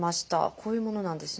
こういうものなんですね。